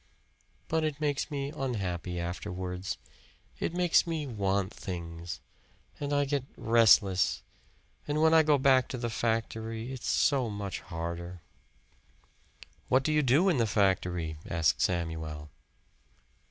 "But it makes me unhappy afterwards. It makes me want things. And I get restless and when I go back to the factory it's so much harder." "What do you do in the factory?" asked Samuel.